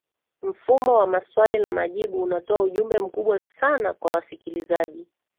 mfumo wa maswali na majibu unatoa ujumbe mkubwa sana kwa wasikilizaji